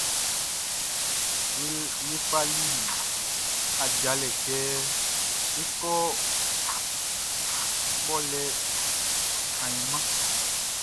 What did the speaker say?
Ye fali ajalɛ kɛ é kɔ́ kpɔlɛ ainman.